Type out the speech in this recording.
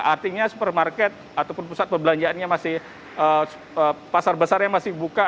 artinya supermarket ataupun pusat perbelanjaannya masih pasar besarnya masih buka